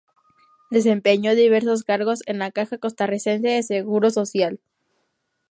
Desempeñó diversos cargos en la Caja Costarricense de Seguro Social.